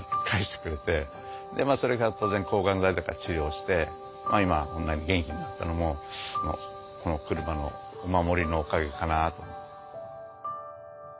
それが当然抗がん剤とか治療して今こんなに元気になったのもこの車のお守りのおかげかな。